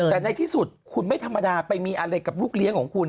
แต่ในที่สุดคุณไม่ธรรมดาไปมีอะไรกับลูกเลี้ยงของคุณ